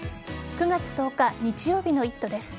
９月１０日日曜日のイット！です。